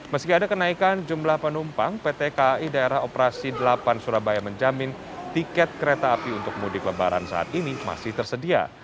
meski ada kenaikan jumlah penumpang pt kai daerah operasi delapan surabaya menjamin tiket kereta api untuk mudik lebaran saat ini masih tersedia